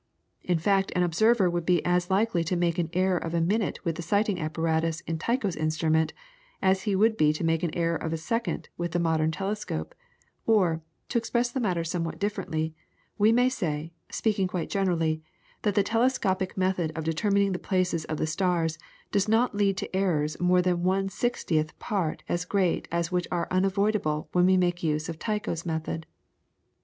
In fact an observer would be as likely to make an error of a minute with the sighting apparatus in Tycho's instrument, as he would be to make an error of a second with the modern telescope, or, to express the matter somewhat differently, we may say, speaking quite generally, that the telescopic method of determining the places of the stars does not lead to errors more than one sixtieth part as great as which are unavoidable when we make use of Tycho's method.